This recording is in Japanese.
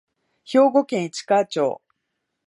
兵庫県市川町